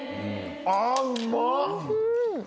あうまっ！